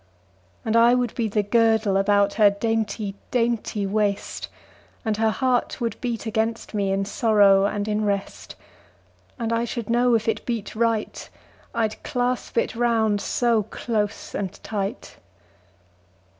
And I would be the girdle About her dainty dainty waist, And her heart would beat against me, In sorrow and in rest: 10 And I should know if it beat right, I'd clasp it round so close and tight.